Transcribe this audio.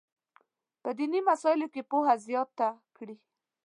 په دیني مسایلو کې پوهه زیاته کړي.